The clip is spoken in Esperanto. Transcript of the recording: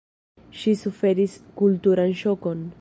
Ŝi suferis kulturan ŝokon.